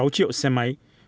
sáu triệu xe máy